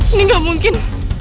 ini gak mungkin